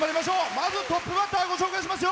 まず、トップバッターご紹介しますよ。